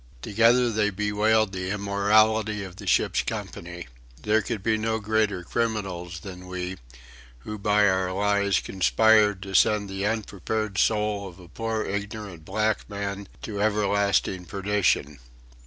Together they bewailed the immorality of the ship's company. There could be no greater criminals than we, who by our lies conspired to send the unprepared soul of a poor ignorant black man to everlasting perdition.